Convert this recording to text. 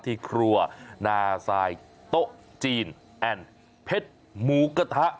ที่ครัวนาซายโต๊ะจีนแอ่นเพชรหมูกระทะ